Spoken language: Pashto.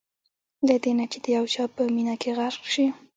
له دې نه چې د یو چا په مینه کې غرق شئ.